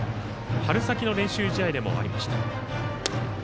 春先の練習試合でもありました。